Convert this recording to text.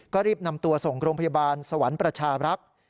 ก็รีบนำตัวส่งโรงพยาบาลสวรรค์ประชารักษ์